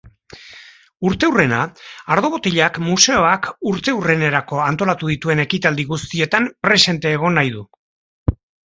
Urteurrena ardo botilak museoak urteurrenerako antolatu dituen ekitaldi guztietan presente egon nahi du.